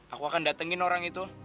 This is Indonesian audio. aku akan datengin orang itu